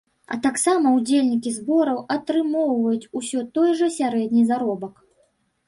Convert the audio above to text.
А таксама ўдзельнікі збораў атрымоўваюць усё той жа сярэдні заробак.